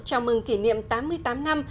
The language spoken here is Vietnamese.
chào mừng kỷ niệm tám mươi tám năm